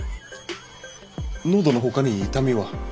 喉のほかに痛みは？